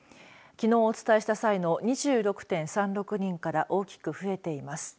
きのうお伝えした際の２６．３６人から大きく増えています。